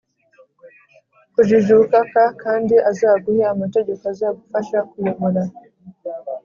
kujijuka k kandi azaguhe amategeko azagufasha kuyobora